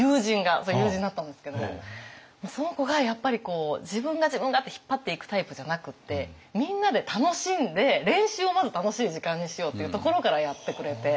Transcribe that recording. それ友人だったんですけどその子がやっぱり自分が自分がって引っ張っていくタイプじゃなくってみんなで楽しんで練習をまず楽しい時間にしようっていうところからやってくれて。